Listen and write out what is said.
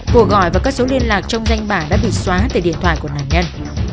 của gọi và các số liên lạc trong danh bản đã bị xóa từ điện thoại của nạn nhân